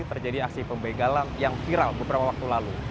terjadi aksi pembegalan yang viral beberapa waktu lalu